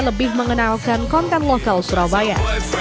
lebih mengenalkan konten lokal surabaya